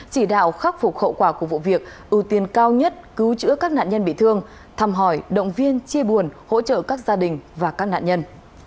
chỉ đạo khắc phục hậu quả của vụ việc ưu tiên cao nhất cứu chữa các nạn nhân bị thương thăm hỏi động viên chia buồn hỗ trợ các gia đình và các nạn nhân